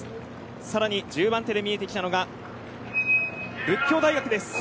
さらに１０番手で見えてきたのが佛教大学です。